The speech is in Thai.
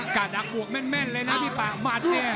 กาดักบวกแม่นเลยนะพี่ปากหมัดเนี่ย